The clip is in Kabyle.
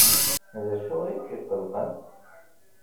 D acu ay k-iqellqen?